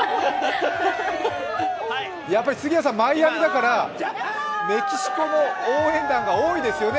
やっぱり、マイアミだから、メキシコの応援団が多いですよね